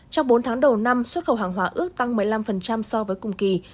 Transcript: trong bốn tháng đầu năm xuất khẩu hàng hóa ước tăng một mươi năm so với cùng kỳ